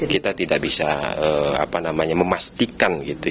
kita tidak bisa memastikan